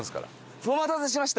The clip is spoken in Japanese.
フォ待たせしました。